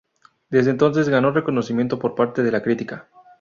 Desde entonces, ganó reconocimiento por parte de la crítica.